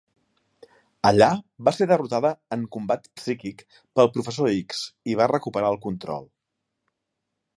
Allà, va ser derrotada en combat psíquic pel Professor X, i va recuperar el control.